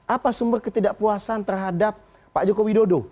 apa sumber ketidakpuasan terhadap pak jokowi dodo